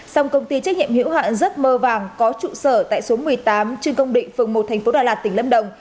song công ty trách nhiệm hiểu hạn giấc mơ vàng có trụ sở tại số một mươi tám trên công định phường một tp đà lạt tỉnh lâm đồng